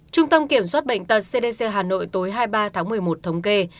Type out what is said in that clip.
trung tâm kiểm soát bệnh tật cdc hà nội tối hai mươi ba tháng một mươi một thống kê